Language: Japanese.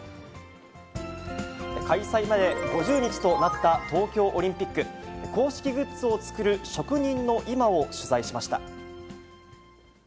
開催まで５０日となった東京オリンピック。公式グッズを作る職人の今を取材しました。